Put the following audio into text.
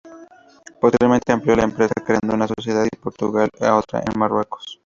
Posteriormente amplió la empresa creando una sociedad en Portugal y otra en Marruecos.